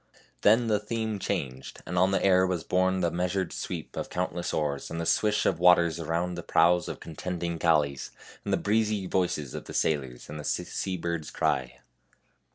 Then the theme was changed, and on the air was borne the measured sweep of countless oars and the swish of waters around the prows of contending galleys, and the breezy voices of the sailors and the sea bird's cry.